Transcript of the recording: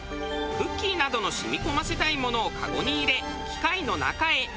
クッキーなどの染み込ませたいものを籠に入れ機械の中へ。